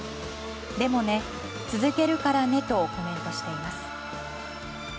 「でもね、続けるからね」とコメントしています。